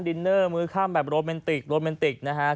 ดินเนอร์มือข้ามแบบโรแมนติกโรแมนติกนะฮะ